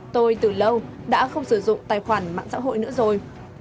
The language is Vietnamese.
tôi từ lâu đã không sử dụng tài khoản mạng xã hội nữa rồi